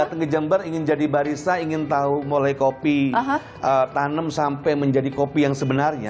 datang ke jember ingin jadi barista ingin tahu mulai kopi tanam sampai menjadi kopi yang sebenarnya